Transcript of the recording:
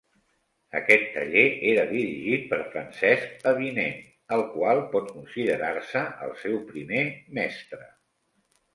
Aquest taller era dirigit per Francesc Avinent, el qual pot considerar-se el seu primer mestre.